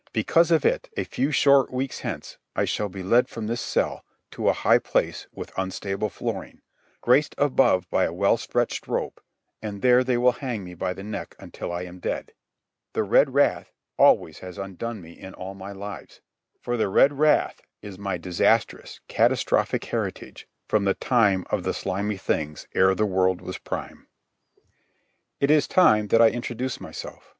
Because of it, a few short weeks hence, I shall be led from this cell to a high place with unstable flooring, graced above by a well stretched rope; and there they will hang me by the neck until I am dead. The red wrath always has undone me in all my lives; for the red wrath is my disastrous catastrophic heritage from the time of the slimy things ere the world was prime. It is time that I introduce myself.